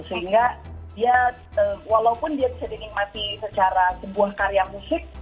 sehingga dia walaupun dia bisa dinikmati secara sebuah karya musik